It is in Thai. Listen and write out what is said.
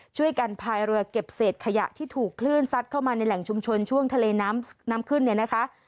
พายเรือเก็บเศษขยะที่ถูกคลื่นซัดเข้ามาในแหล่งชุมชนช่วงทะเลน้ำน้ำขึ้นเนี่ยนะคะ